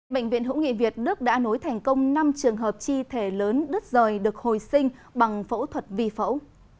bệnh viện hữu nghị việt đức đã nối thành công năm trường hợp chi thể lớn đứt rời được hồi sinh bằng phẫu thuật vi phẫu